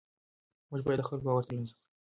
موږ باید د خلکو باور ترلاسه کړو.